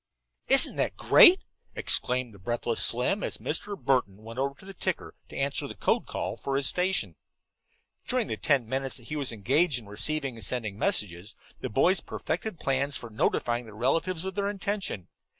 "Isn't that great?" exclaimed the breathless Slim, as Mr. Burton went over to the ticker to answer the code call for his station. During the ten minutes that he was engaged in receiving and sending messages, the boys perfected plans for notifying their relatives of their intention.